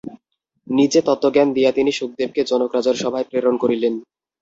নিজে তত্ত্বজ্ঞান দিয়া তিনি শুকদেবকে জনক-রাজার সভায় প্রেরণ করিলেন।